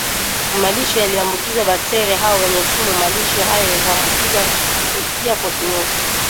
malisho yaliyoambukizwa bakteria hao wenye sumu Malisho hayo huambukizwa kupitia kwa kinyesi